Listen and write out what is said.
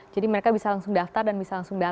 jadi mereka bisa langsung daftar dan bisa langsung datang